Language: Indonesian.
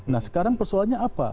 nah sekarang persoalannya apa